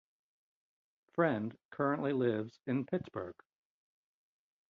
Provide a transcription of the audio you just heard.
Friend currently lives in Pittsburgh.